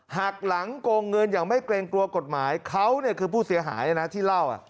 หักหลังโกงเงินอย่างไม่เกรงกลัวกฎหมายเขาเนี่ยคือผู้เสียหายนะที่เล่า